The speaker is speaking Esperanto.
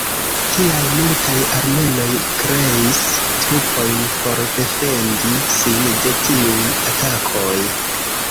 Tial, multaj armenoj kreis trupojn por defendi sin de tiuj atakoj.